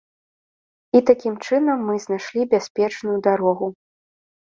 І такім чынам мы знайшлі бяспечную дарогу.